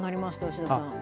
牛田さん。